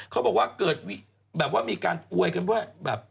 เขาบอกว่าเกิดแบบว่ามีการอวยกันว่าแบบ